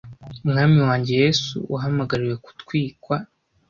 mwami wanjye yesu wahamagariwe gutwikwa